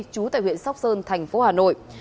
trú tại huyện sóc sơn tp hà nội